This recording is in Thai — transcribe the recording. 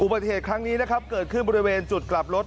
บัติเหตุครั้งนี้นะครับเกิดขึ้นบริเวณจุดกลับรถ